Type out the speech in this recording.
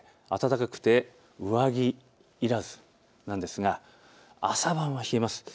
暖かくて上着いらずなんですが朝晩は冷えます。